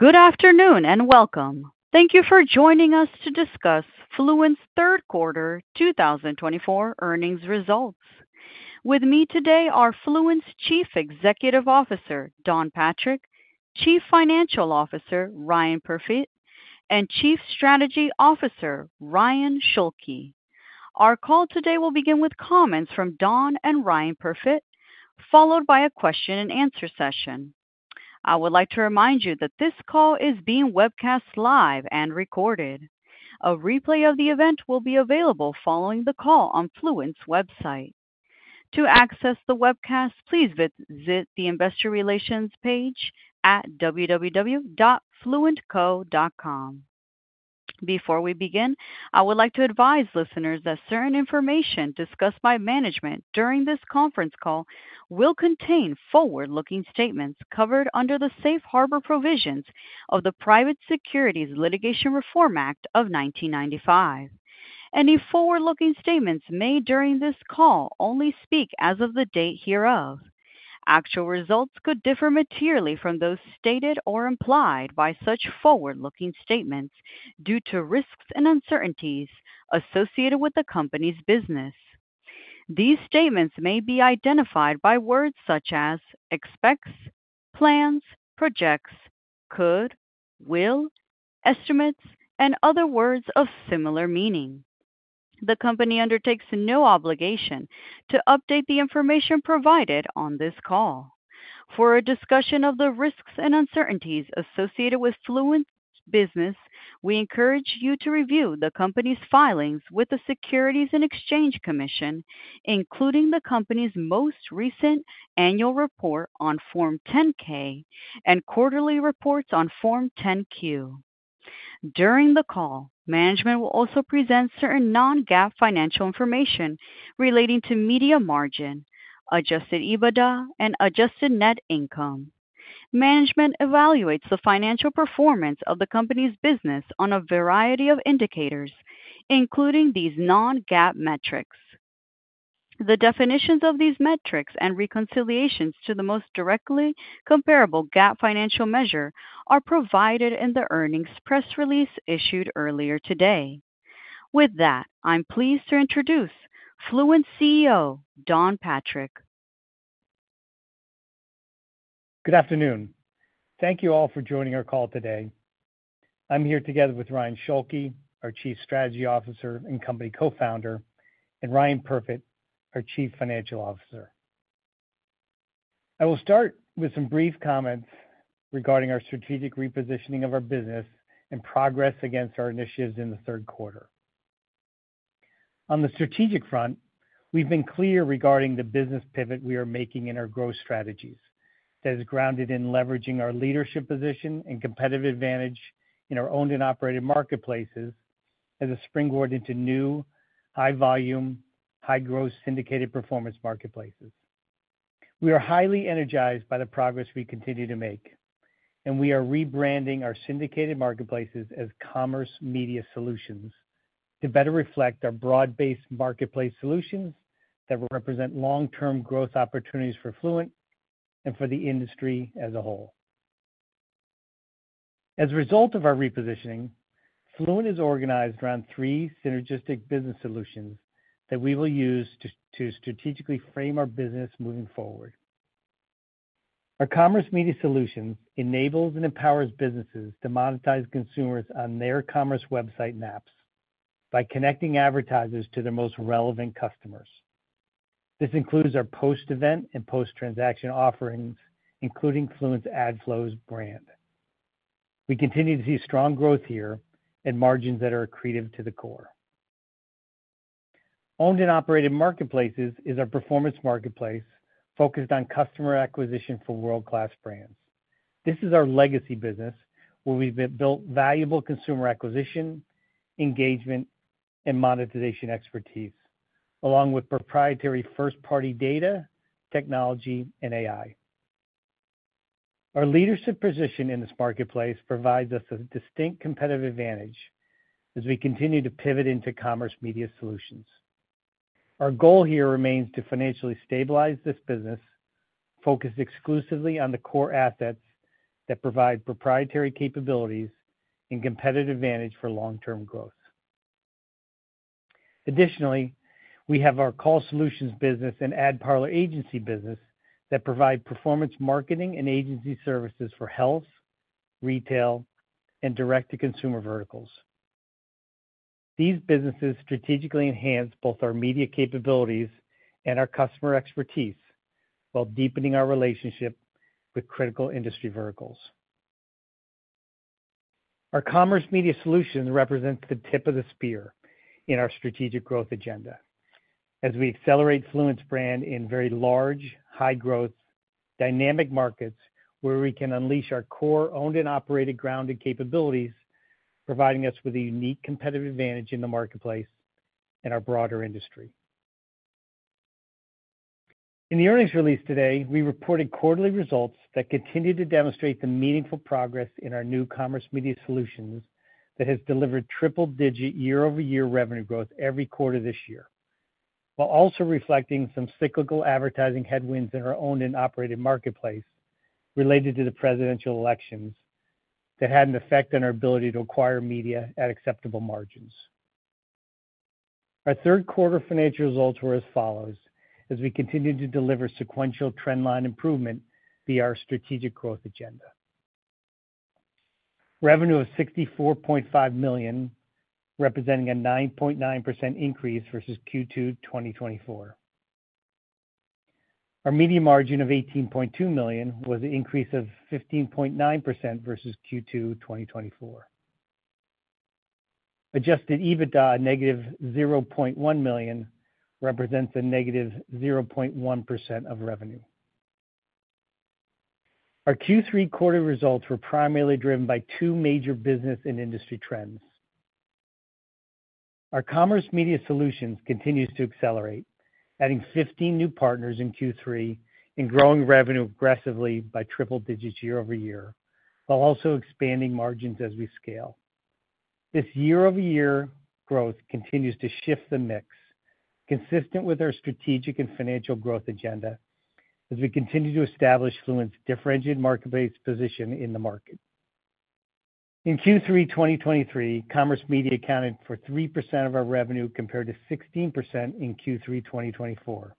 Good afternoon and welcome. Thank you for joining us to discuss Fluent's Third Quarter 2024 Earnings Results. With me today are Fluent's Chief Executive Officer, Don Patrick; Chief Financial Officer, Ryan Perfit; and Chief Strategy Officer, Ryan Schulke. Our call today will begin with comments from Don and Ryan Perfit, followed by a question-and-answer session. I would like to remind you that this call is being webcast live and recorded. A replay of the event will be available following the call on Fluent's website. To access the webcast, please visit the investor relations page at www.fluentco.com. Before we begin, I would like to advise listeners that certain information discussed by management during this conference call will contain forward-looking statements covered under the safe harbor provisions of the Private Securities Litigation Reform Act of 1995. Any forward-looking statements made during this call only speak as of the date hereof. Actual results could differ materially from those stated or implied by such forward-looking statements due to risks and uncertainties associated with the company's business. These statements may be identified by words such as expects, plans, projects, could, will, estimates, and other words of similar meaning. The company undertakes no obligation to update the information provided on this call. For a discussion of the risks and uncertainties associated with Fluent's business, we encourage you to review the company's filings with the Securities and Exchange Commission, including the company's most recent annual report on Form 10-K and quarterly reports on Form 10-Q. During the call, management will also present certain non-GAAP financial information relating to media margin, adjusted EBITDA, and adjusted net income. Management evaluates the financial performance of the company's business on a variety of indicators, including these non-GAAP metrics. The definitions of these metrics and reconciliations to the most directly comparable GAAP financial measure are provided in the earnings press release issued earlier today. With that, I'm pleased to introduce Fluent CEO Don Patrick. Good afternoon. Thank you all for joining our call today. I'm here together with Ryan Schulke, our Chief Strategy Officer and company co-founder, and Ryan Perfit, our Chief Financial Officer. I will start with some brief comments regarding our strategic repositioning of our business and progress against our initiatives in the third quarter. On the strategic front, we've been clear regarding the business pivot we are making in our growth strategies that is grounded in leveraging our leadership position and competitive advantage in our Owned and Operated Marketplaces as a springboard into new, high-volume, high-growth syndicated performance marketplaces. We are highly energized by the progress we continue to make, and we are rebranding our syndicated marketplaces as Commerce Media Solutions to better reflect our broad-based marketplace solutions that represent long-term growth opportunities for Fluent and for the industry as a whole. As a result of our repositioning, Fluent has organized around three synergistic business solutions that we will use to strategically frame our business moving forward. Our Commerce Media Solutions enables and empowers businesses to monetize consumers on their commerce website and apps by connecting advertisers to their most relevant customers. This includes our post-event and post-transaction offerings, including Fluent's AdFlows brand. We continue to see strong growth here and margins that are accretive to the core. Owned and Operated Marketplaces is our performance marketplace focused on customer acquisition for world-class brands. This is our legacy business where we've built valuable consumer acquisition, engagement, and monetization expertise, along with proprietary first-party data, technology, and AI. Our leadership position in this marketplace provides us a distinct competitive advantage as we continue to pivot into Commerce Media Solutions. Our goal here remains to financially stabilize this business, focused exclusively on the core assets that provide proprietary capabilities and competitive advantage for long-term growth. Additionally, we have our Call Solutions business and AdParlor agency business that provide performance marketing and agency services for health, retail, and direct-to-consumer verticals. These businesses strategically enhance both our media capabilities and our customer expertise while deepening our relationship with critical industry verticals. Our Commerce Media Solutions represents the tip of the spear in our strategic growth agenda as we accelerate Fluent's brand in very large, high-growth, dynamic markets where we can unleash our core Owned and Operated Marketplaces and capabilities, providing us with a unique competitive advantage in the marketplace and our broader industry. In the earnings release today, we reported quarterly results that continue to demonstrate the meaningful progress in our new Commerce Media Solutions that has delivered triple-digit year-over-year revenue growth every quarter this year, while also reflecting some cyclical advertising headwinds in our owned and operated marketplace related to the presidential elections that had an effect on our ability to acquire media at acceptable margins. Our third quarter financial results were as follows as we continue to deliver sequential trendline improvement via our strategic growth agenda. Revenue of $64.5 million, representing a 9.9% increase versus Q2 2024. Our media margin of $18.2 million was an increase of 15.9% versus Q2 2024. Adjusted EBITDA of -$0.1 million represents a -0.1% of revenue. Our Q3 quarter results were primarily driven by two major business and industry trends. Our Commerce Media Solutions continue to accelerate, adding 15 new partners in Q3 and growing revenue aggressively by triple digits year-over-year, while also expanding margins as we scale. This year-over-year growth continues to shift the mix, consistent with our strategic and financial growth agenda, as we continue to establish Fluent's differentiated marketplace position in the market. In Q3 2023, Commerce Media accounted for 3% of our revenue compared to 16% in Q3 2024,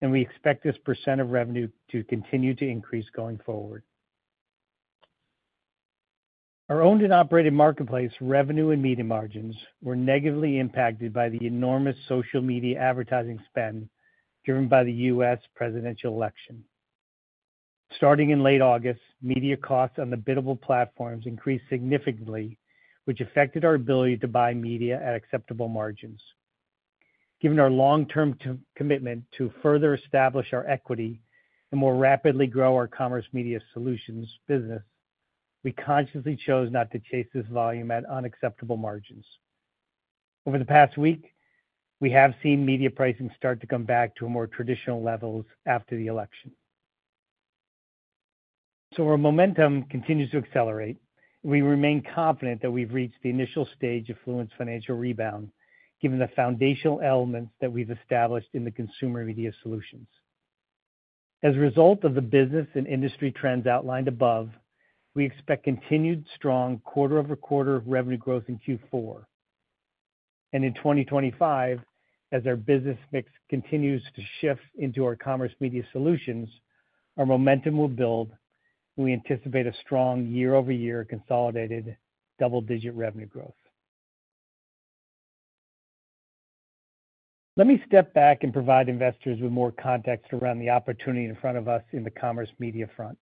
and we expect this % of revenue to continue to increase going forward. Our Owned and Operated Marketplace revenue and media margins were negatively impacted by the enormous social media advertising spend driven by the U.S. presidential election. Starting in late August, media costs on the biddable platforms increased significantly, which affected our ability to buy media at acceptable margins. Given our long-term commitment to further establish our equity and more rapidly grow our Commerce Media Solutions business, we consciously chose not to chase this volume at unacceptable margins. Over the past week, we have seen media pricing start to come back to more traditional levels after the election. So our momentum continues to accelerate, and we remain confident that we've reached the initial stage of Fluent's financial rebound, given the foundational elements that we've established in the Commerce Media Solutions. As a result of the business and industry trends outlined above, we expect continued strong quarter-over-quarter revenue growth in Q4. And in 2025, as our business mix continues to shift into our Commerce Media Solutions, our momentum will build, and we anticipate a strong year-over-year consolidated double-digit revenue growth. Let me step back and provide investors with more context around the opportunity in front of us in the commerce media front.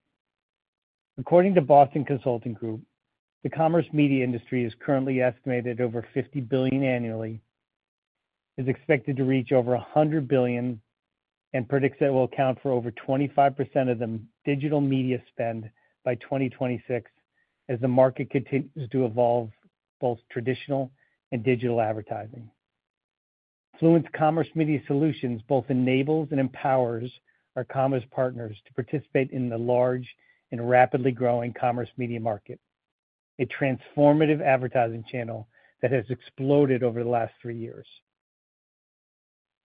According to Boston Consulting Group, the commerce media industry is currently estimated at over $50 billion annually, is expected to reach over $100 billion, and predicts that it will account for over 25% of the digital media spend by 2026 as the market continues to evolve both traditional and digital advertising. Fluent's Commerce Media Solutions both enables and empowers our commerce partners to participate in the large and rapidly growing commerce media market, a transformative advertising channel that has exploded over the last three years.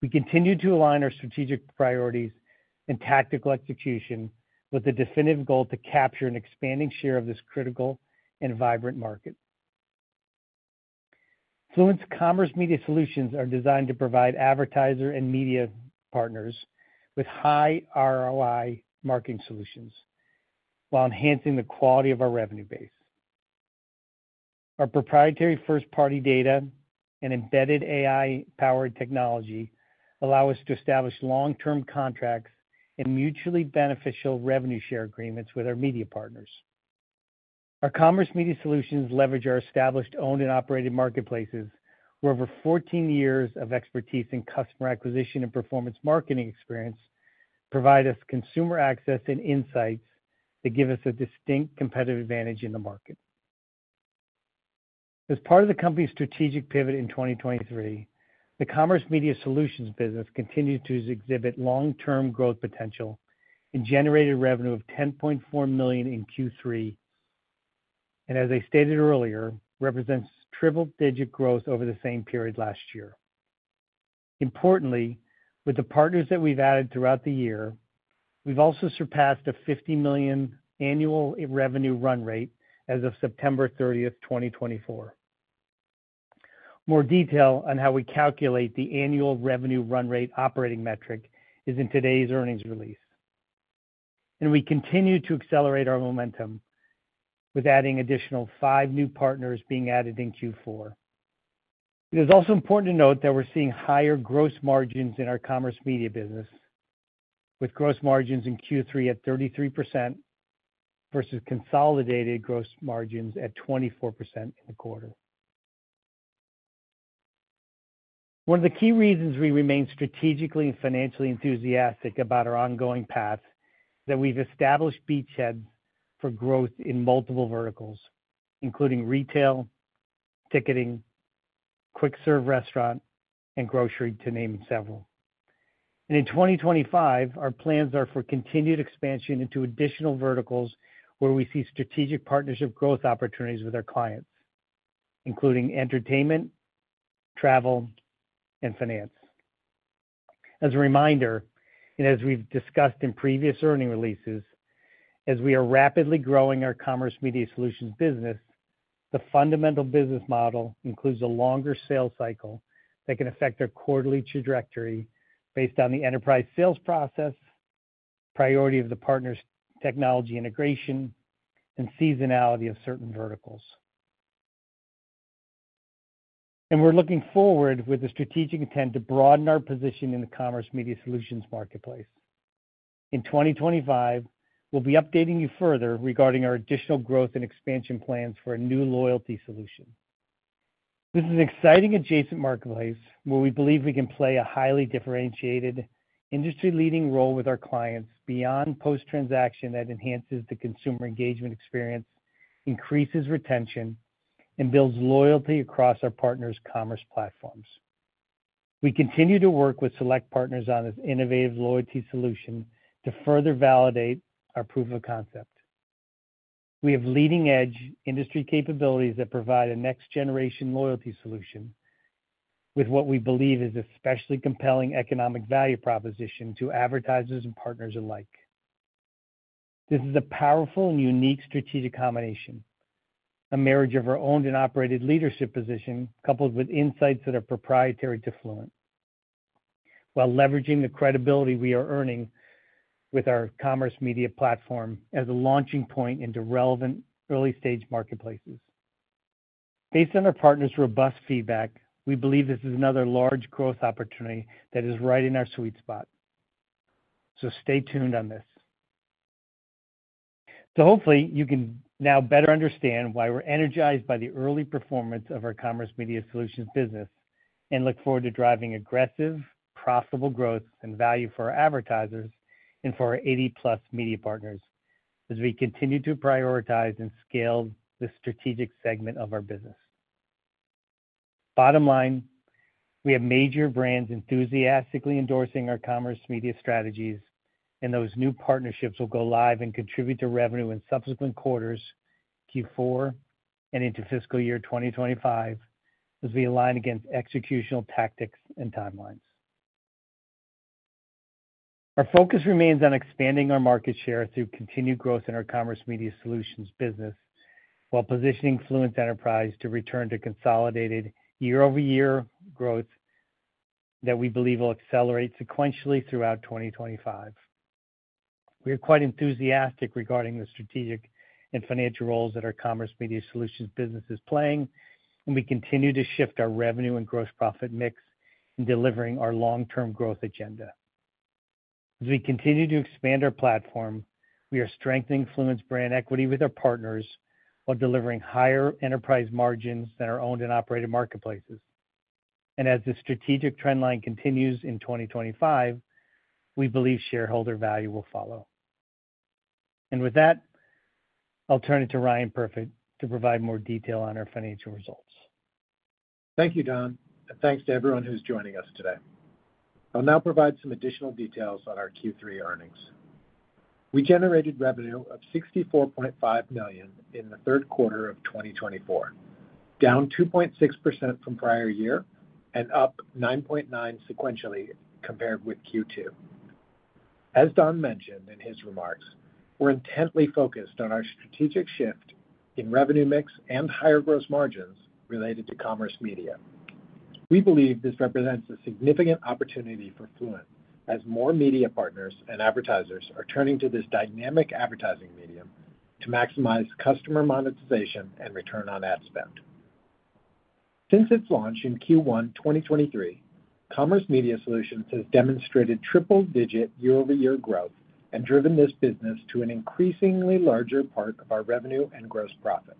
We continue to align our strategic priorities and tactical execution with a definitive goal to capture an expanding share of this critical and vibrant market. Fluent's Commerce Media Solutions are designed to provide advertiser and media partners with high ROI marketing solutions while enhancing the quality of our revenue base. Our proprietary first-party data and embedded AI-powered technology allow us to establish long-term contracts and mutually beneficial revenue share agreements with our media partners. Our Commerce Media Solutions leverage our established Owned and Operated Marketplaces where over 14 years of expertise in customer acquisition and performance marketing experience provide us consumer access and insights that give us a distinct competitive advantage in the market. As part of the company's strategic pivot in 2023, the Commerce Media Solutions business continues to exhibit long-term growth potential and generated revenue of $10.4 million in Q3, and as I stated earlier, represents triple-digit growth over the same period last year. Importantly, with the partners that we've added throughout the year, we've also surpassed a $50 million annual revenue run rate as of September 30, 2024. More detail on how we calculate the annual revenue run rate operating metric is in today's earnings release, and we continue to accelerate our momentum with adding additional five new partners being added in Q4. It is also important to note that we're seeing higher gross margins in our commerce media business, with gross margins in Q3 at 33% versus consolidated gross margins at 24% in the quarter. One of the key reasons we remain strategically and financially enthusiastic about our ongoing path is that we've established beachheads for growth in multiple verticals, including retail, ticketing, quick-serve restaurant, and grocery, to name several. And in 2025, our plans are for continued expansion into additional verticals where we see strategic partnership growth opportunities with our clients, including entertainment, travel, and finance. As a reminder, and as we've discussed in previous earnings releases, as we are rapidly growing our Commerce Media Solutions business, the fundamental business model includes a longer sales cycle that can affect our quarterly trajectory based on the enterprise sales process, priority of the partner's technology integration, and seasonality of certain verticals. And we're looking forward with the strategic intent to broaden our position in the Commerce Media Solutions marketplace. In 2025, we'll be updating you further regarding our additional growth and expansion plans for a new loyalty solution. This is an exciting adjacent marketplace where we believe we can play a highly differentiated, industry-leading role with our clients beyond post-transaction that enhances the consumer engagement experience, increases retention, and builds loyalty across our partners' commerce platforms. We continue to work with select partners on this innovative loyalty solution to further validate our proof of concept. We have leading-edge industry capabilities that provide a next-generation loyalty solution with what we believe is an especially compelling economic value proposition to advertisers and partners alike. This is a powerful and unique strategic combination, a marriage of our owned and operated leadership position coupled with insights that are proprietary to Fluent, while leveraging the credibility we are earning with our commerce media platform as a launching point into relevant early-stage marketplaces. Based on our partners' robust feedback, we believe this is another large growth opportunity that is right in our sweet spot. So stay tuned on this. So hopefully, you can now better understand why we're energized by the early performance of our Commerce Media Solutions business and look forward to driving aggressive, profitable growth and value for our advertisers and for our 80+ media partners as we continue to prioritize and scale the strategic segment of our business. Bottom line, we have major brands enthusiastically endorsing our Commerce Media strategies, and those new partnerships will go live and contribute to revenue in subsequent quarters, Q4, and into fiscal year 2025 as we align against executional tactics and timelines. Our focus remains on expanding our market share through continued growth in our Commerce Media Solutions business while positioning Fluent Enterprise to return to consolidated year-over-year growth that we believe will accelerate sequentially throughout 2025. We are quite enthusiastic regarding the strategic and financial roles that our Commerce Media Solutions business is playing, and we continue to shift our revenue and gross profit mix in delivering our long-term growth agenda. As we continue to expand our platform, we are strengthening Fluent's brand equity with our partners while delivering higher enterprise margins than our Owned and Operated Marketplaces. And as the strategic trendline continues in 2025, we believe shareholder value will follow, and with that, I'll turn it to Ryan Perfit to provide more detail on our financial results. Thank you, Don, and thanks to everyone who's joining us today. I'll now provide some additional details on our Q3 earnings. We generated revenue of $64.5 million in the third quarter of 2024, down 2.6% from prior year and up 9.9% sequentially compared with Q2. As Don mentioned in his remarks, we're intently focused on our strategic shift in revenue mix and higher gross margins related to commerce media. We believe this represents a significant opportunity for Fluent as more media partners and advertisers are turning to this dynamic advertising medium to maximize customer monetization and return on ad spend. Since its launch in Q1 2023, Commerce Media Solutions has demonstrated triple-digit year-over-year growth and driven this business to an increasingly larger part of our revenue and gross profit.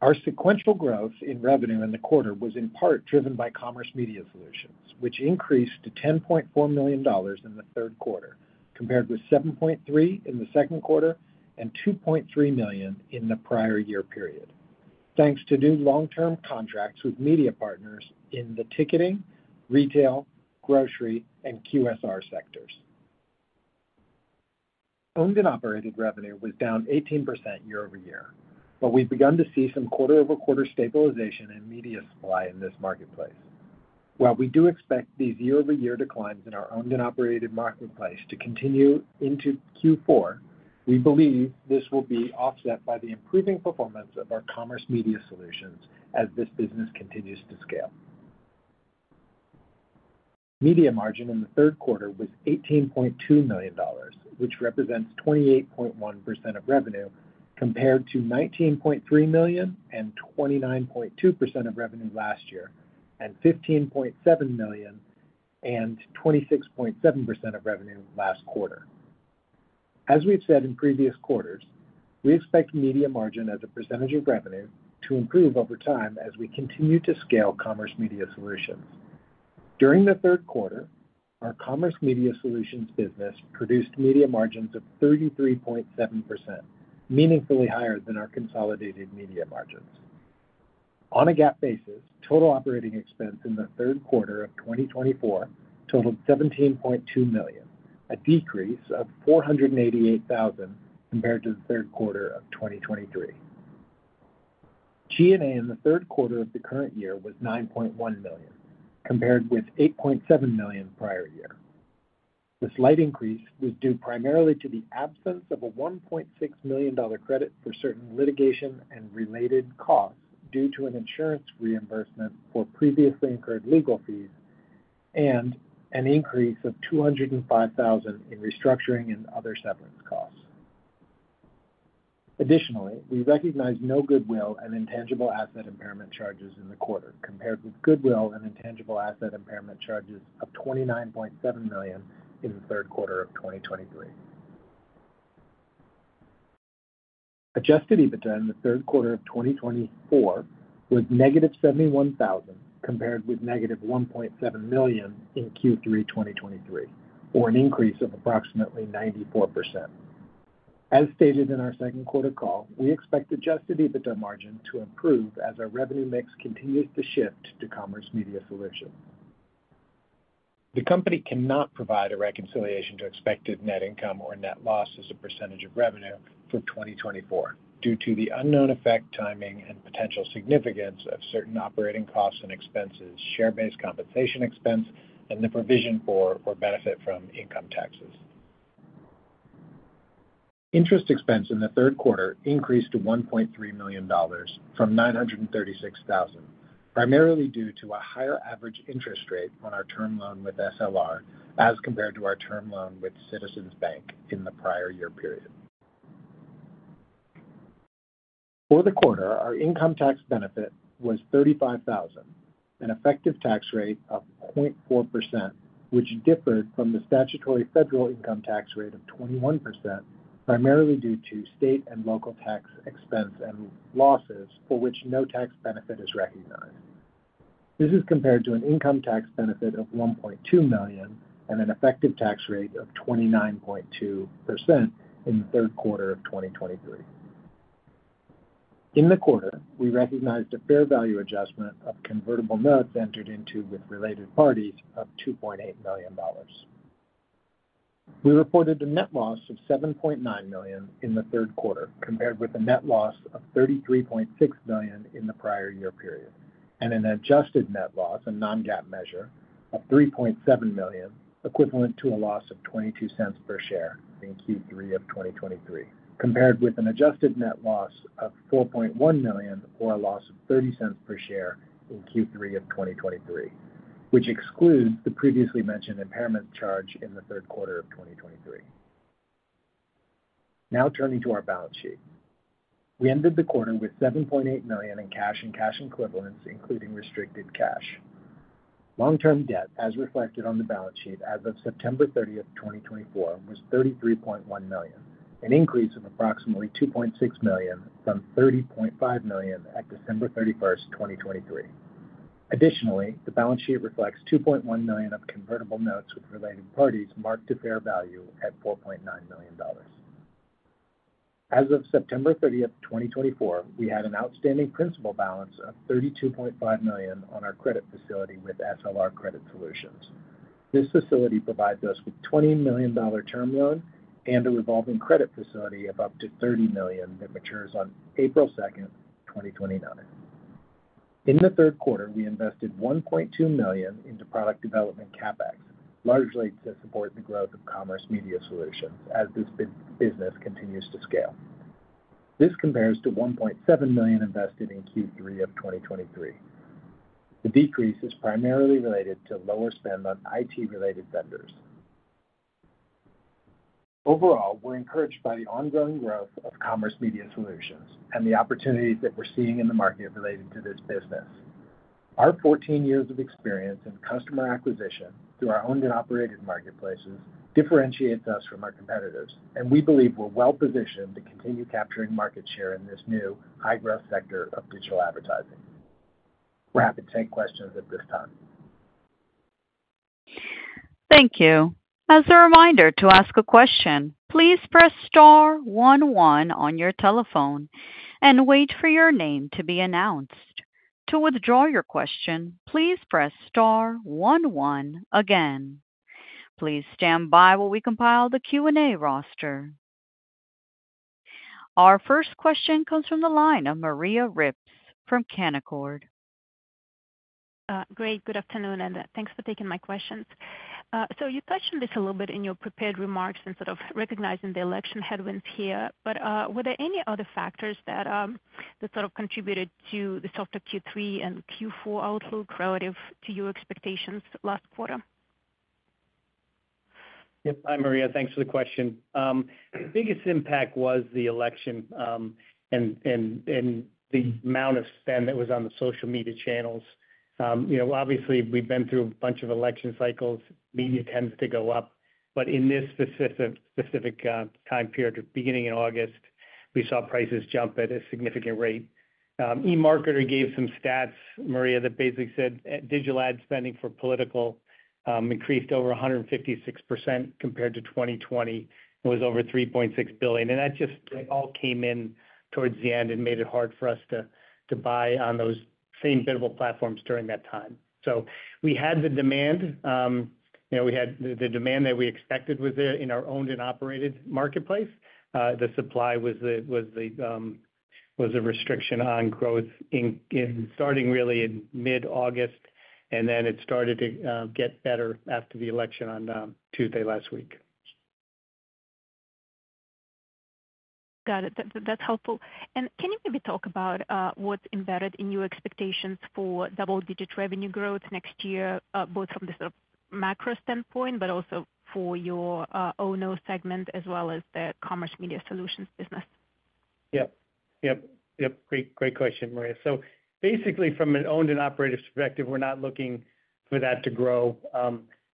Our sequential growth in revenue in the quarter was in part driven by Commerce Media Solutions, which increased to $10.4 million in the third quarter, compared with $7.3 million in the second quarter and $2.3 million in the prior year period, thanks to new long-term contracts with media partners in the ticketing, retail, grocery, and QSR sectors. Owned and Operated revenue was down 18% year-over-year, but we've begun to see some quarter-over-quarter stabilization in media supply in this marketplace. While we do expect these year-over-year declines in our Owned and Operated Marketplace to continue into Q4, we believe this will be offset by the improving performance of our Commerce Media Solutions as this business continues to scale. Media margin in the third quarter was $18.2 million, which represents 28.1% of revenue compared to $19.3 million and 29.2% of revenue last year and $15.7 million and 26.7% of revenue last quarter. As we've said in previous quarters, we expect media margin as a percentage of revenue to improve over time as we continue to scale Commerce Media Solutions. During the third quarter, our Commerce Media Solutions business produced media margins of 33.7%, meaningfully higher than our consolidated media margins. On a GAAP basis, total operating expense in the third quarter of 2024 totaled $17.2 million, a decrease of $488,000 compared to the third quarter of 2023. G&A in the third quarter of the current year was $9.1 million, compared with $8.7 million prior year. This slight increase was due primarily to the absence of a $1.6 million credit for certain litigation and related costs due to an insurance reimbursement for previously incurred legal fees and an increase of $205,000 in restructuring and other severance costs. Additionally, we recognize no goodwill and intangible asset impairment charges in the quarter, compared with goodwill and intangible asset impairment charges of $29.7 million in the third quarter of 2023. Adjusted EBITDA in the third quarter of 2024 was -$71,000 compared with -$1.7 million in Q3 2023, or an increase of approximately 94%. As stated in our second quarter call, we expect Adjusted EBITDA margin to improve as our revenue mix continues to shift to Commerce Media Solutions. The company cannot provide a reconciliation to expected net income or net loss as a percentage of revenue for 2024 due to the unknown effect, timing, and potential significance of certain operating costs and expenses, share-based compensation expense, and the provision for or benefit from income taxes. Interest expense in the third quarter increased to $1.3 million from $936,000, primarily due to a higher average interest rate on our term loan with SLR as compared to our term loan with Citizens Bank in the prior year period. For the quarter, our income tax benefit was $35,000, an effective tax rate of 0.4%, which differed from the statutory federal income tax rate of 21%, primarily due to state and local tax expense and losses for which no tax benefit is recognized. This is compared to an income tax benefit of $1.2 million and an effective tax rate of 29.2% in the third quarter of 2023. In the quarter, we recognized a fair value adjustment of convertible notes entered into with related parties of $2.8 million. We reported a net loss of $7.9 million in the third quarter compared with a net loss of $33.6 million in the prior year period and an adjusted net loss, a non-GAAP measure, of $3.7 million, equivalent to a loss of $0.22 per share in Q3 of 2023, compared with an adjusted net loss of $4.1 million or a loss of $0.30 per share in Q3 of 2023, which excludes the previously mentioned impairment charge in the third quarter of 2023. Now turning to our balance sheet, we ended the quarter with $7.8 million in cash and cash equivalents, including restricted cash. Long-term debt, as reflected on the balance sheet as of September 30, 2024, was $33.1 million, an increase of approximately $2.6 million from $30.5 million at December 31, 2023. Additionally, the balance sheet reflects $2.1 million of convertible notes with related parties marked to fair value at $4.9 million. As of September 30, 2024, we had an outstanding principal balance of $32.5 million on our credit facility with SLR Credit Solutions. This facility provides us with a $20 million term loan and a revolving credit facility of up to $30 million that matures on April 2, 2029. In the third quarter, we invested $1.2 million into product development CapEx, largely to support the growth of Commerce Media Solutions as this business continues to scale. This compares to $1.7 million invested in Q3 of 2023. The decrease is primarily related to lower spend on IT-related vendors. Overall, we're encouraged by the ongoing growth of Commerce Media Solutions and the opportunities that we're seeing in the market related to this business. Our 14 years of experience in customer acquisition through our Owned and Operated Marketplaces differentiates us from our competitors, and we believe we're well-positioned to continue capturing market share in this new high-growth sector of digital advertising. We're happy to take questions at this time. Thank you. As a reminder to ask a question, please press star one one on your telephone and wait for your name to be announced. To withdraw your question, please press star one one again. Please stand by while we compile the Q&A roster. Our first question comes from the line of Maria Ripps from Canaccord. Great. Good afternoon, and thanks for taking my questions. So you touched on this a little bit in your prepared remarks and sort of recognizing the election headwinds here, but were there any other factors that sort of contributed to the softer Q3 and Q4 outlook relative to your expectations last quarter? Yep. Hi, Maria. Thanks for the question. The biggest impact was the election and the amount of spend that was on the social media channels. Obviously, we've been through a bunch of election cycles. Media tends to go up, but in this specific time period, beginning in August, we saw prices jump at a significant rate. eMarketer gave some stats, Maria, that basically said digital ad spending for political increased over 156% compared to 2020. It was over $3.6 billion. And that just all came in towards the end and made it hard for us to buy on those same biddable platforms during that time. So we had the demand. We had the demand that we expected was there in our owned and operated marketplace. The supply was the restriction on growth starting really in mid-August, and then it started to get better after the election on Tuesday last week. Got it. That's helpful. And can you maybe talk about what's embedded in your expectations for double-digit revenue growth next year, both from the sort of macro standpoint, but also for your O&O segment as well as the Commerce Media Solutions business? Yep. Yep. Yep. Great question, Maria. So basically, from an owned and operated perspective, we're not looking for that to grow,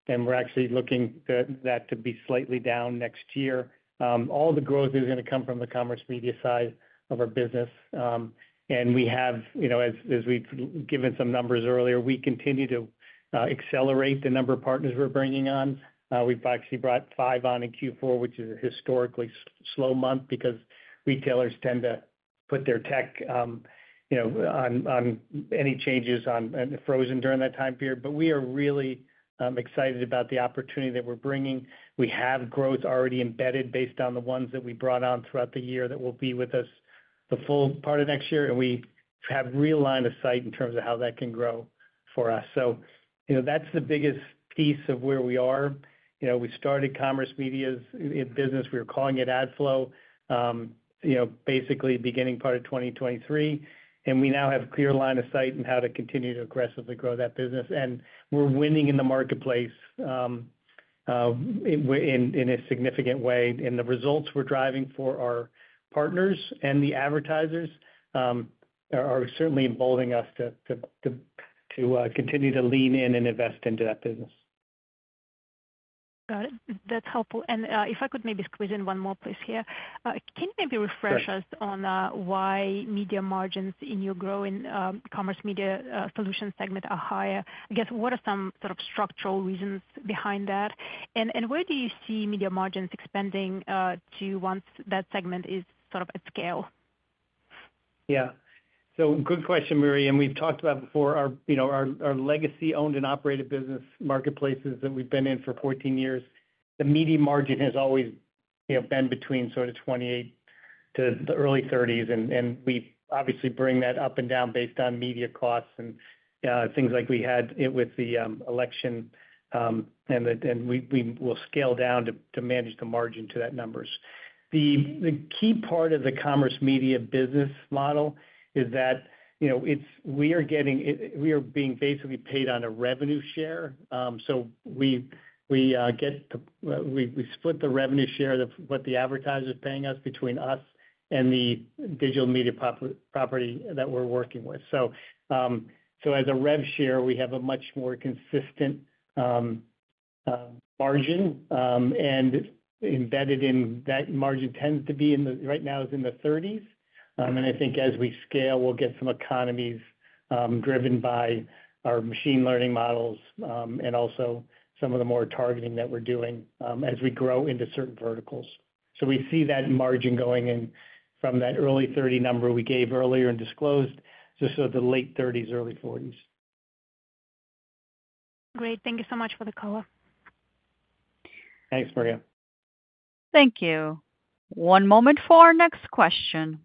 and we're actually looking for that to be slightly down next year. All the growth is going to come from the commerce media side of our business. We have, as we've given some numbers earlier, we continue to accelerate the number of partners we're bringing on. We've actually brought five on in Q4, which is a historically slow month because retailers tend to put their tech on any changes frozen during that time period. We are really excited about the opportunity that we're bringing. We have growth already embedded based on the ones that we brought on throughout the year that will be with us the full part of next year, and we have real line of sight in terms of how that can grow for us. That's the biggest piece of where we are. We started commerce media's business. We were calling it AdFlow, basically beginning part of 2023. We now have clear line of sight in how to continue to aggressively grow that business. We're winning in the marketplace in a significant way. And the results we're driving for our partners and the advertisers are certainly emboldening us to continue to lean in and invest into that business. Got it. That's helpful. And if I could maybe squeeze in one more place here, can you maybe refresh us on why media margins in your growing commerce media solution segment are higher? I guess, what are some sort of structural reasons behind that? And where do you see media margins expanding to once that segment is sort of at scale? Yeah. So good question, Maria. And we've talked about before our legacy Owned and Operated Marketplaces that we've been in for 14 years. The media margin has always been between sort of 28% to the early 30s%. And we obviously bring that up and down based on media costs and things like we had with the election. And we will scale down to manage the margin to that numbers. The key part of the commerce media business model is that we are being basically paid on a revenue share. So we split the revenue share of what the advertiser is paying us between us and the digital media property that we're working with. So as a rev share, we have a much more consistent margin. And embedded in that margin tends to be right now is in the 30s. And I think as we scale, we'll get some economies driven by our machine learning models and also some of the more targeting that we're doing as we grow into certain verticals. So we see that margin going in from that early 30 number we gave earlier and disclosed just to the late 30s, early 40s. Great. Thank you so much for the call. Thanks, Maria. Thank you. One moment for our next question.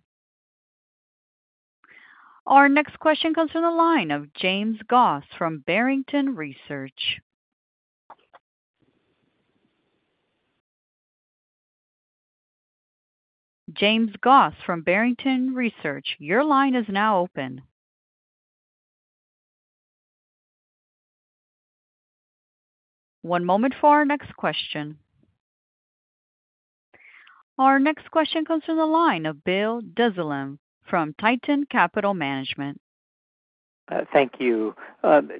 Our next question comes from the line of James Goss from Barrington Research. James Goss from Barrington Research, your line is now open. One moment for our next question. Our next question comes from the line of Bill Dezellem from Tieton Capital Management. Thank you.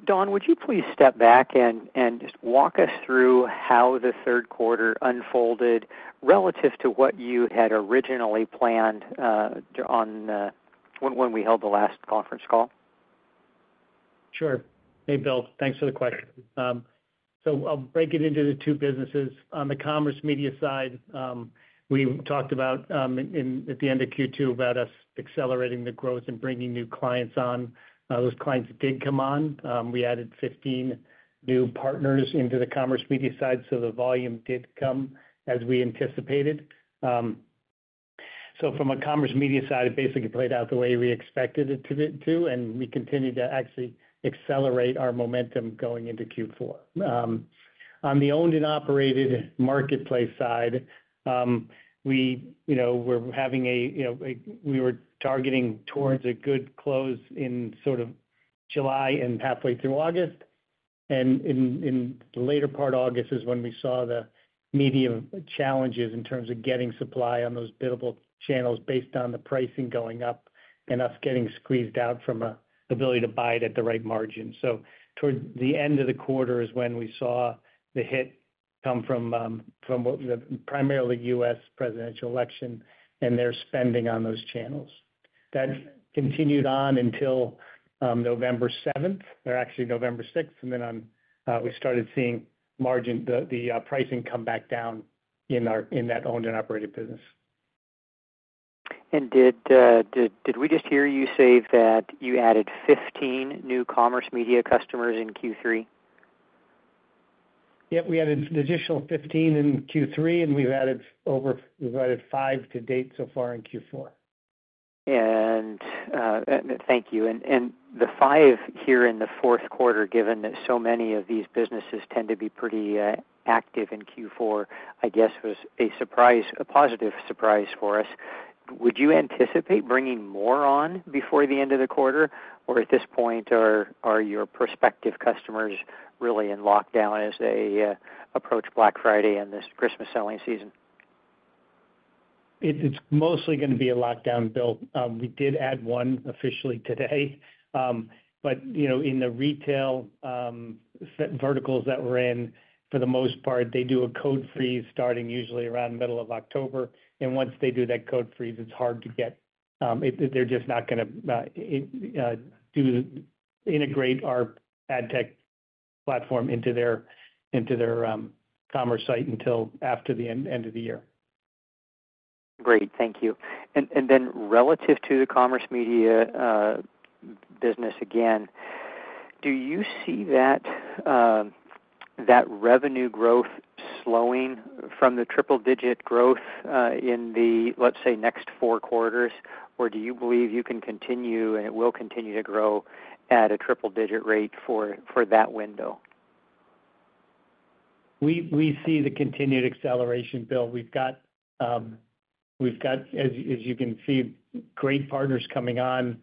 Don, would you please step back and just walk us through how the third quarter unfolded relative to what you had originally planned when we held the last conference call? Sure. Hey, Bill. Thanks for the question. So I'll break it into the two businesses. On the commerce media side, we talked about at the end of Q2 about us accelerating the growth and bringing new clients on. Those clients did come on. We added 15 new partners into the commerce media side, so the volume did come as we anticipated. So from a commerce media side, it basically played out the way we expected it to do, and we continued to actually accelerate our momentum going into Q4. On the owned and operated marketplace side, we were targeting towards a good close in sort of July and halfway through August. And in the later part of August is when we saw the media challenges in terms of getting supply on those biddable channels based on the pricing going up and us getting squeezed out from an ability to buy it at the right margin. So towards the end of the quarter is when we saw the hit come from primarily the U.S. presidential election and their spending on those channels. That continued on until November 7th, or actually November 6th, and then we started seeing the pricing come back down in that owned and operated business. And did we just hear you say that you added 15 new commerce media customers in Q3? Yep. We added an additional 15 in Q3, and we've added five to date so far in Q4. And thank you. And the five here in the fourth quarter, given that so many of these businesses tend to be pretty active in Q4, I guess was a positive surprise for us. Would you anticipate bringing more on before the end of the quarter, or at this point, are your prospective customers really in lockdown as they approach Black Friday and this Christmas selling season? It's mostly going to be a lockdown, Bill. We did add one officially today. But in the retail verticals that we're in, for the most part, they do a code freeze starting usually around the middle of October. And once they do that code freeze, it's hard to get. They're just not going to integrate our AdTech platform into their commerce site until after the end of the year. Great. Thank you. And then relative to the commerce media business again, do you see that revenue growth slowing from the triple-digit growth in the, let's say, next four quarters, or do you believe you can continue and it will continue to grow at a triple-digit rate for that window? We see the continued acceleration, Bill. We've got, as you can see, great partners coming on.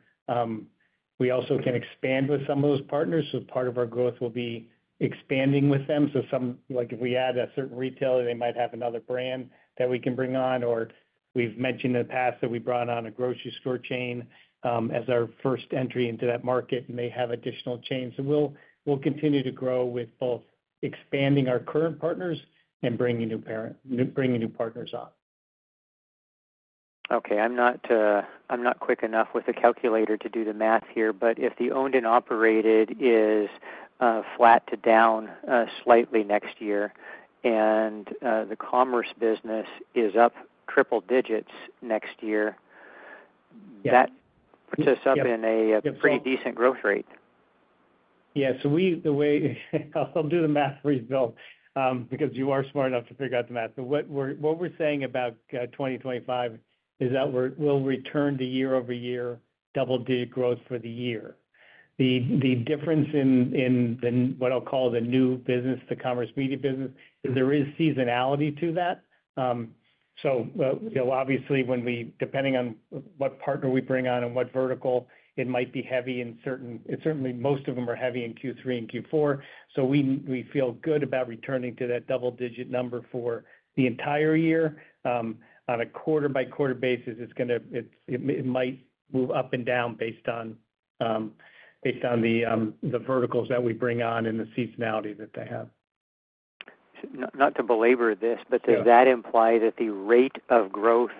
We also can expand with some of those partners. So part of our growth will be expanding with them. So if we add a certain retailer, they might have another brand that we can bring on. Or we've mentioned in the past that we brought on a grocery store chain as our first entry into that market, and they have additional chains. So we'll continue to grow with both expanding our current partners and bringing new partners on. Okay. I'm not quick enough with the calculator to do the math here, but if the owned and operated is flat to down slightly next year and the commerce business is up triple digits next year, that puts us up in a pretty decent growth rate. Yeah, so I'll do the math for you, Bill, because you are smart enough to figure out the math. But what we're saying about 2025 is that we'll return to year-over-year double-digit growth for the year. The difference in what I'll call the new business, the commerce media business, is there seasonality to that, so obviously, depending on what partner we bring on and what vertical, it might be heavy in certain. It certainly most of them are heavy in Q3 and Q4, so we feel good about returning to that double-digit number for the entire year. On a quarter-by-quarter basis, it might move up and down based on the verticals that we bring on and the seasonality that they have. Not to belabor this, but does that imply that the rate of growth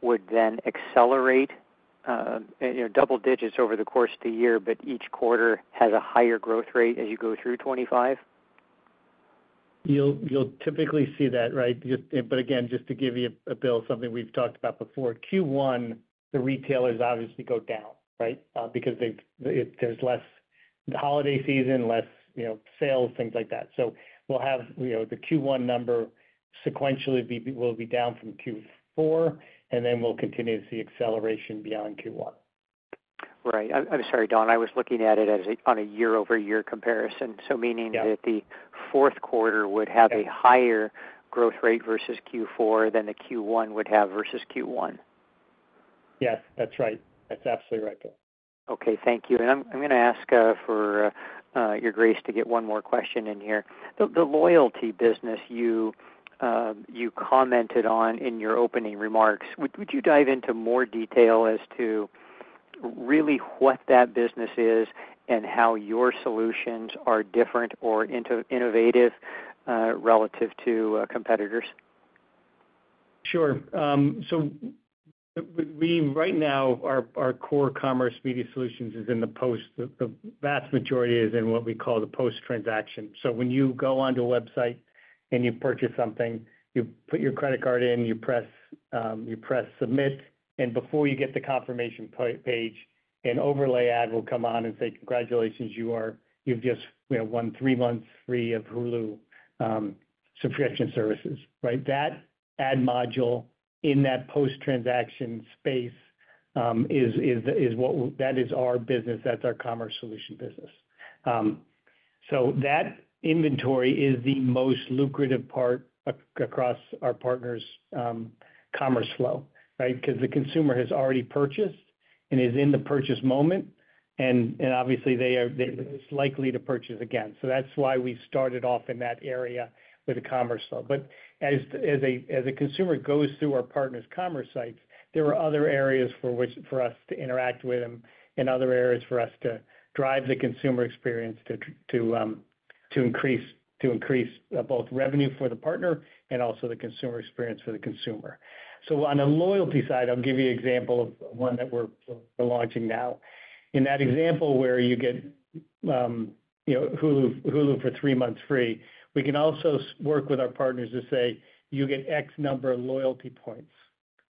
would then accelerate double digits over the course of the year, but each quarter has a higher growth rate as you go through 2025? You'll typically see that, right? But again, just to give you, Bill, something we've talked about before. Q1, the retailers obviously go down, right, because there's less holiday season, less sales, things like that. So we'll have the Q1 number sequentially will be down from Q4, and then we'll continue to see acceleration beyond Q1. Right. I'm sorry, Don. I was looking at it as on a year-over-year comparison. So, meaning that the fourth quarter would have a higher growth rate versus Q4 than the Q1 would have versus Q1. Yes. That's right. That's absolutely right, Bill. Okay. Thank you. And I'm going to ask for your grace to get one more question in here. The loyalty business you commented on in your opening remarks, would you dive into more detail as to really what that business is and how your solutions are different or innovative relative to competitors? Sure. So right now, our core Commerce Media Solutions is in the post. The vast majority is in what we call the post-transaction. So when you go onto a website and you purchase something, you put your credit card in, you press submit, and before you get the confirmation page, an overlay ad will come on and say, "Congratulations. “You've just won three months free of Hulu subscription services.” Right? That ad module in that post transaction space is what that is our business. That's our commerce solution business. So that inventory is the most lucrative part across our partners' commerce flow, right, because the consumer has already purchased and is in the purchase moment. And obviously, they are likely to purchase again. So that's why we started off in that area with the commerce flow. But as a consumer goes through our partners' commerce sites, there are other areas for us to interact with them and other areas for us to drive the consumer experience to increase both revenue for the partner and also the consumer experience for the consumer. So on the loyalty side, I'll give you an example of one that we're launching now. In that example where you get Hulu for three months free, we can also work with our partners to say, "You get X number of loyalty points."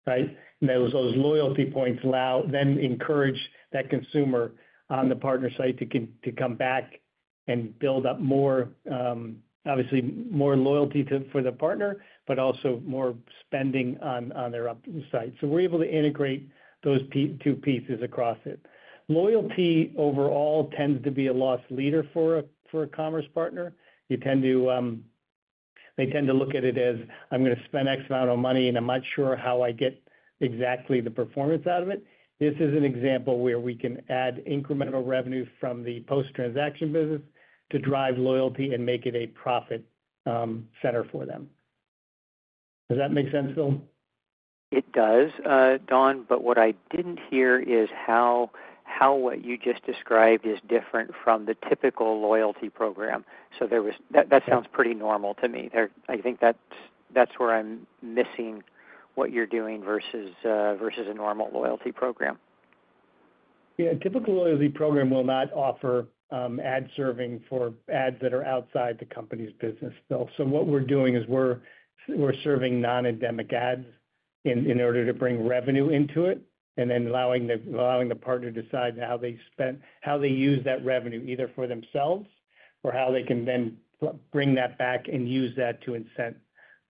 Right? And those loyalty points then encourage that consumer on the partner site to come back and build up, obviously, more loyalty for the partner, but also more spending on their site. So we're able to integrate those two pieces across it. Loyalty overall tends to be a loss leader for a commerce partner. They tend to look at it as, "I'm going to spend X amount of money, and I'm not sure how I get exactly the performance out of it." This is an example where we can add incremental revenue from the post transaction business to drive loyalty and make it a profit center for them. Does that make sense, Bill? It does, Don. But what I didn't hear is how what you just described is different from the typical loyalty program. So that sounds pretty normal to me. I think that's where I'm missing what you're doing versus a normal loyalty program. Yeah. A typical loyalty program will not offer ad serving for ads that are outside the company's business, Bill. So what we're doing is we're serving non-endemic ads in order to bring revenue into it and then allowing the partner to decide how they use that revenue, either for themselves or how they can then bring that back and use that to incent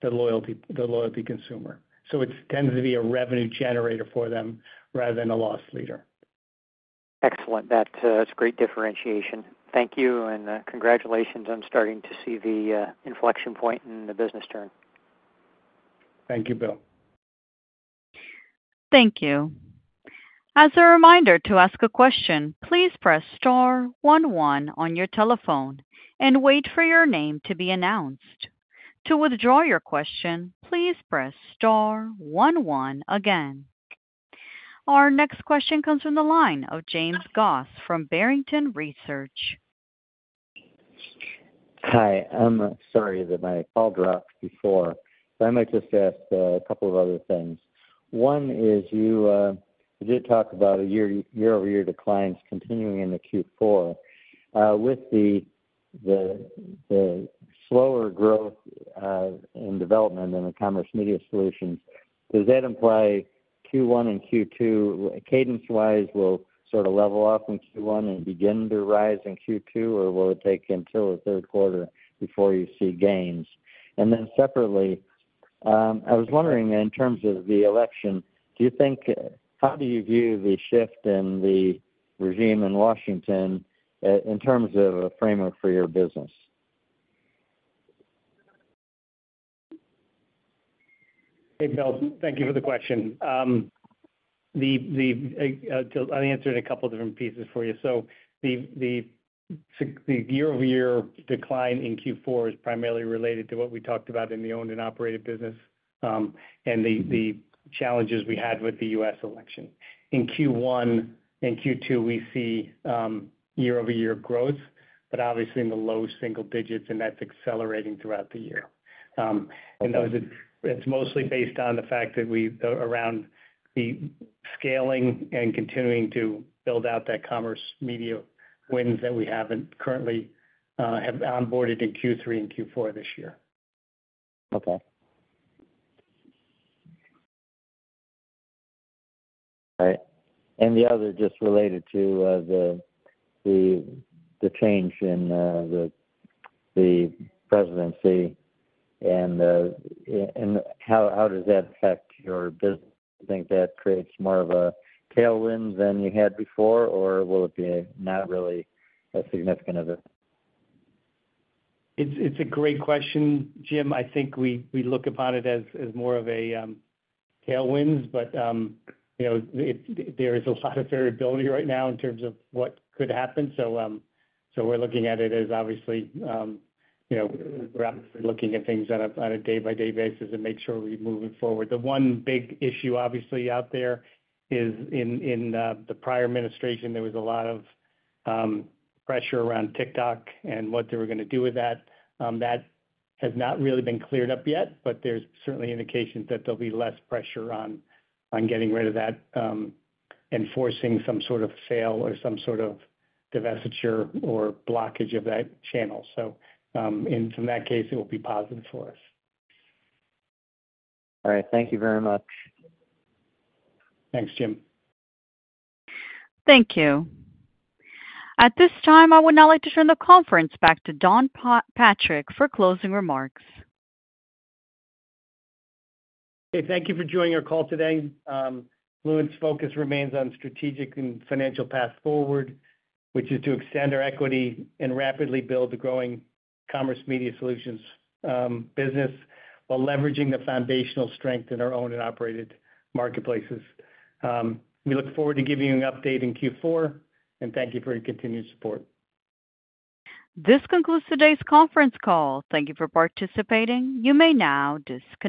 the loyalty consumer. So it tends to be a revenue generator for them rather than a loss leader. Excellent. That's great differentiation. Thank you. And congratulations on starting to see the inflection point in the business turn. Thank you, Bill. Thank you. As a reminder to ask a question, please press star 11 on your telephone and wait for your name to be announced. To withdraw your question, please press star 11 again. Our next question comes from the line of James Goss from Barrington Research. Hi. I'm sorry that my call dropped before. But I might just ask a couple of other things. One is you did talk about a year-over-year declines continuing into Q4. With the slower growth and development in the Commerce Media Solutions, does that imply Q1 and Q2, cadence-wise, will sort of level off in Q1 and begin to rise in Q2, or will it take until the third quarter before you see gains? And then separately, I was wondering in terms of the election, how do you view the shift in the regime in Washington in terms of a framework for your business? Hey, Bill. Thank you for the question. I'll answer it in a couple of different pieces for you. So the year-over-year decline in Q4 is primarily related to what we talked about in the owned and operated business and the challenges we had with the U.S. election. In Q1 and Q2, we see year-over-year growth, but obviously in the low single digits, and that's accelerating throughout the year. And it's mostly based on the fact that we're around the scaling and continuing to build out that commerce media wins that we haven't currently have onboarded in Q3 and Q4 this year. Okay. All right. And the other just related to the change in the presidency. And how does that affect your business? Do you think that creates more of a tailwind than you had before, or will it be not really a significant event? It's a great question, Jim. I think we look upon it as more of a tailwind, but there is a lot of variability right now in terms of what could happen. So we're looking at it as obviously we're looking at things on a day-by-day basis and make sure we move it forward. The one big issue, obviously, out there is in the prior administration, there was a lot of pressure around TikTok and what they were going to do with that. That has not really been cleared up yet, but there's certainly indications that there'll be less pressure on getting rid of that and forcing some sort of sale or some sort of divestiture or blockage of that channel. So in that case, it will be positive for us. All right. Thank you very much. Thanks, Jim. Thank you. At this time, I would now like to turn the conference back to Don Patrick for closing remarks. Okay. Thank you for joining our call today. Fluent's focus remains on strategic and financial path forward, which is to extend our equity and rapidly build a growing Commerce Media Solutions business while leveraging the foundational strength in our Owned and Operated Marketplaces. We look forward to giving you an update in Q4, and thank you for your continued support. This concludes today's conference call. Thank you for participating. You may now disconnect.